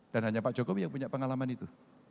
dan hanya pak jokowi yang punya pengalaman itu